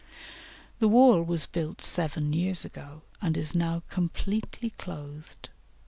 The wall was built seven years ago, and is now completely clothed.